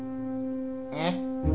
えっ？